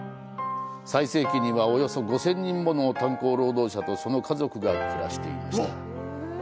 最盛期には、およそ５０００人もの炭鉱労働者とその家族が暮らしていました。